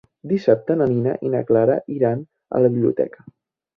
Dissabte na Nina i na Clara iran a la biblioteca.